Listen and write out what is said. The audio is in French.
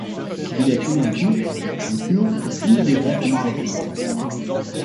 Il écrit en turc, en kurde ou directement en français.